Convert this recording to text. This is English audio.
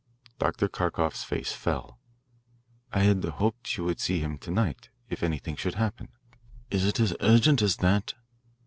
Dr. Kharkoff's face fell. "I had hoped you would see him to night. If anything should happen " "Is it as urgent as that?"